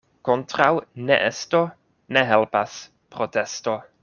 Kontraŭ neesto ne helpas protesto.